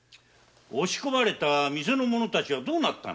押し込まれた店の者たちはどうなった？